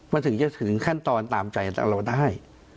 มันถึงจะถึงขั้นตอนตามใจเราได้